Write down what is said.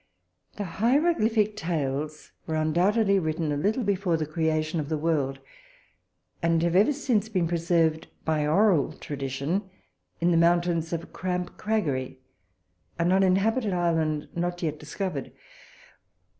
The Hieroglyphic Tales were undoubtedly written a little before the creation of the world, and have ever since been preserved, by oral tradition, in the mountains of Crampcraggiri, an uninhabited island, not yet discovered.